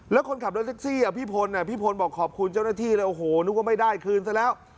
แล้วคนขับรถแท็กซี่พี่พลพี่พลบอกขอบคุณเจ้าหน้าที่เลยโอ้โหนึกว่าไม่ได้คืนซะแล้ว